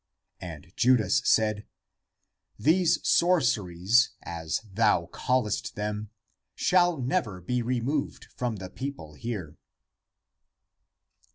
And Judas said, " These sorceries, as thou callest them, shall never be removed from the people here."